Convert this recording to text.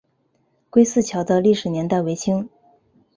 归驷桥的历史年代为清。